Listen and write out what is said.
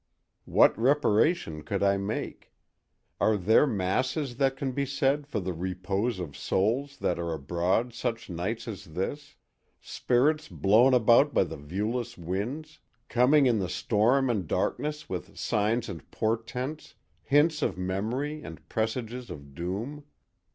"What reparation could I make? Are there masses that can be said for the repose of souls that are abroad such nights as this—spirits 'blown about by the viewless winds'—coming in the storm and darkness with signs and portents, hints of memory and presages of doom?